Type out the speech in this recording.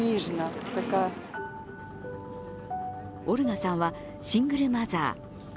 オルガさんはシングルマザー。